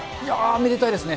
めでたいですね。